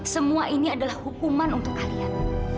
semua ini adalah hukuman untuk kalian